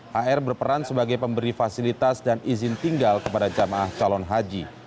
hr berperan sebagai pemberi fasilitas dan izin tinggal kepada jamaah calon haji